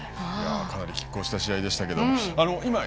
かなりきっ抗した試合でしたけど。